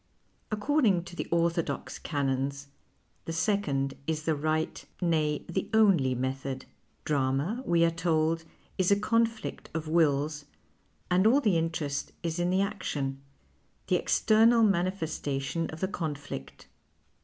According to the ortliodox canons, the second is the right, nay, the only method. Drama, we are told, is a conflict of wills and all the interest is in the action, the external manifestation of the conflict.